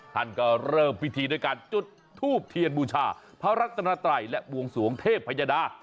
ท่านก็เริ่มพิธีด้วยการจุดทูบเทียนบูชาพระรัตนาไตรและบวงสวงเทพยดา